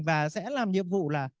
và sẽ làm nhiệm vụ là